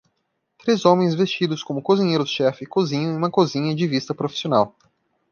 Três homens vestidos como cozinheiros chefe cozinham em uma cozinha de vista profissional.